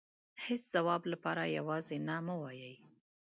هيچ ځواب لپاره يوازې نه مه وايئ .